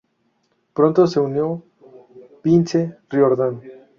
Pronto se unió Vince Riordan.